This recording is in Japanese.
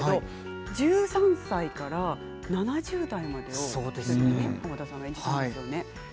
１３歳から７０代までを濱田さんが演じたんですよね。